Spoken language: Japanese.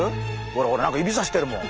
ほらほら何か指さしてるもん。